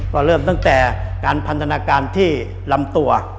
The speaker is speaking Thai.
ก็เริ่มตั้งแต่การพันธนาการที่ลำตัว